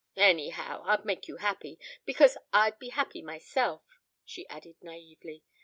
"Anyhow, I'd make you happy, because I'd be happy myself," she added naïvely.